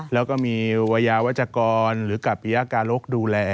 แล้วก็มีวัยยาวัชกรหรือกับปียาการกดูแล